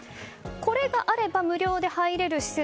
これがあれば無料で入れる施設